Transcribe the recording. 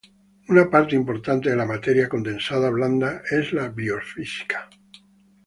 Una parte importante de la materia condensada blanda es la biofísica.